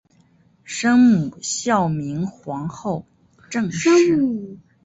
生母孝明皇后郑氏。